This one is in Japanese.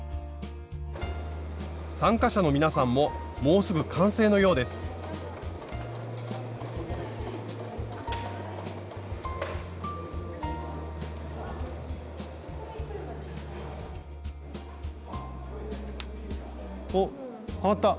参加者の皆さんももうすぐ完成のようですおっはまった。